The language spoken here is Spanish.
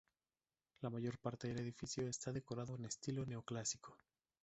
La mayor parte del edificio está decorado en estilo neoclásico.